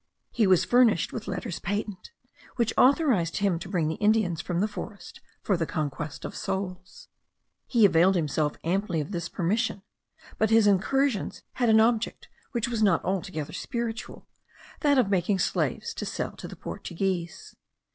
He was furnished with letters patent, which authorised him to bring the Indians from the forest, for the conquest of souls. He availed himself amply of this permission; but his incursions had an object which was not altogether spiritual, that of making slaves to sell to the Portuguese.